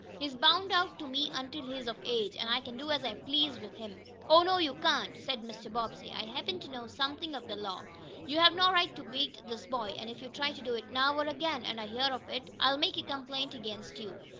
He's bound out to me until he's of age, an' I can do as I please with him." "Oh, no, you can't," said Mr. Bobbsey. "I happen to know something of the law. You have no right to beat this boy, and if you try to do it now, or again, and I hear of it, I'll make a complaint against you.